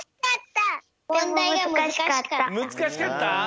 むずかしかった？